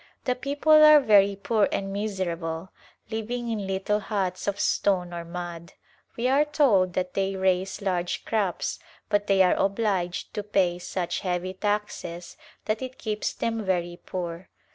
The people are very poor and miserable, living in little huts of stone or mud. We are told that they raise large crops but they are obliged to pay such heavy taxes that it keeps them very poor.